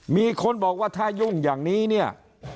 มีคนบอกว่าถ้ายุ่งอย่างนี้เนี่ย